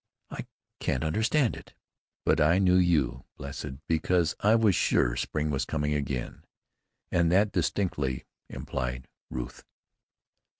I can't understand it." "But I knew you, blessed, because I was sure spring was coming again, and that distinctly implied Ruth."